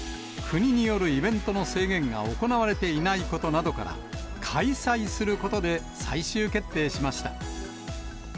国によるイベントの制限が行われていないことなどから、開催することで、最終決定しました。